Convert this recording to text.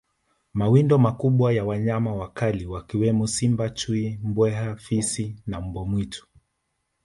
Mawindo makubwa ya wanyama wakali wakiwemo Simba Chui Mbweha Fisi na Mbwa mwitu